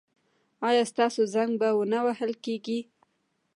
ایا ستاسو زنګ به و نه وهل کیږي؟